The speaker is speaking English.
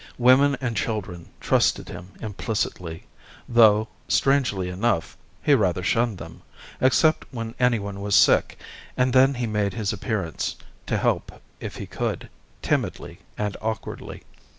Women and children trusted him implicitly, though, strangely enough, he rather shunned them, except when anyone was sick, and then he made his appearance to help if he could, timidly and awkwardly.